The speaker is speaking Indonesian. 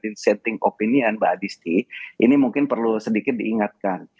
di setting opinion mbak adisti ini mungkin perlu sedikit diingatkan